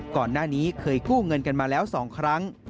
ก่อนหน้านี้เคยกู้เงินกันมาแล้ว๒ครั้ง